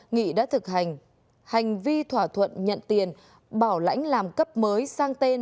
nghị đã thực hành hành vi thỏa thuận nhận tiền bảo lãnh làm cấp mới sang tên